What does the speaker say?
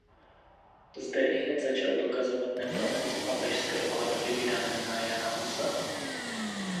Zde ihned začal dokazovat neplatnost papežské klatby vydané na Jana Husa.